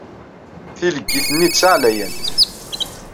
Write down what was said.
Tileggit-nni d taɛlayant.